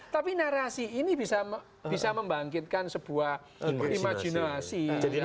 tapi narasi ini bisa membangkitkan sebuah imajinasi